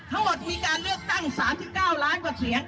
ทั้งหมดมีการเลือกตั้ง๓๙ล้านกว่าเสียง